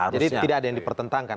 tidak ada yang dipertentangkan